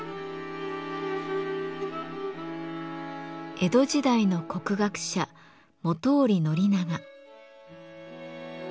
江戸時代の国学者本居宣長。